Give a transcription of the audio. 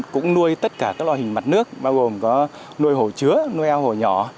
cũng nuôi tất cả các loại hình mặt nước bao gồm có nuôi hồ chứa nuôi heo hồ nhỏ